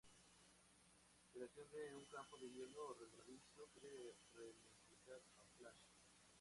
Creación de un campo de hielo resbaladizo que puede ralentizar a Flash.